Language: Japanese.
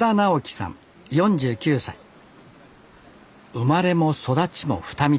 生まれも育ちも双海町。